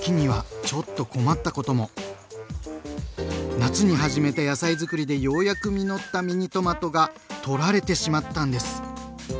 夏に始めた野菜づくりでようやく実ったミニトマトがとられてしまったんです。